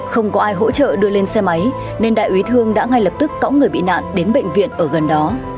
không có ai hỗ trợ đưa lên xe máy nên đại úy thương đã ngay lập tức cõng người bị nạn đến bệnh viện ở gần đó